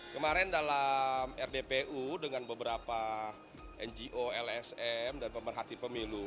kemarin dalam rdpu dengan beberapa ngo lsm dan pemerhati pemilu